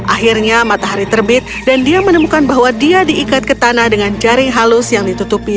akhirnya matahari terbit dan dia menemukan bahwa dia diikat ke tanah dengan jaring halus yang ditutupi